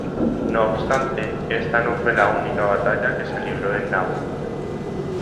No obstante, esta no fue la única batalla que se libró en Naboo.